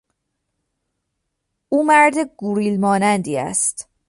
او مرد گوریل مانندی است.